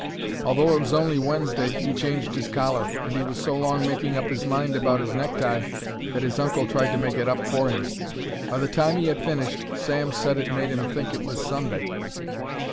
Although it was only Wednesday 'e changed his collar, and he was so long making up 'is mind about his necktie that 'is uncle tried to make it up for him. By the time he 'ad finished Sam said it made 'im think it was Sunday.